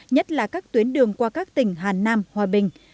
nhất là các tuyến đường qua các tỉnh hàn nam hòa bình